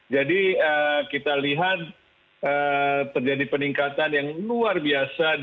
jadi kita lihat terjadi peningkatan yang luar biasa